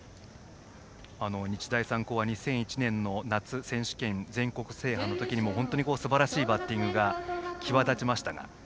日大三高は２００１年の夏選手権の全国制覇の時も本当にすばらしいバッティングが際立ちました。